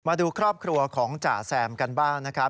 มาดูครอบครัวของจ่าแซมกันบ้างนะครับ